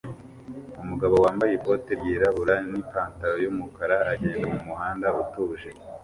Umugabo wambaye ikote ryirabura nipantaro yumukara agenda mumuhanda utuje